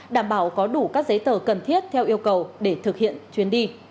đảm bảo có đủ các giấy tờ cần thiết theo yêu cầu để thực hiện chuyến đi